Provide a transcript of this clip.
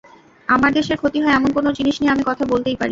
আমার দেশের ক্ষতি হয়, এমন কোনো জিনিস নিয়ে আমি কথা বলতেই পারি।